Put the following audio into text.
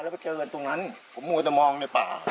ผมมองไปต้ระมองในป่า